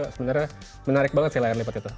sebenarnya menarik banget sih layar lipat itu